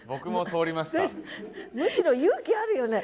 むしろ勇気あるよね。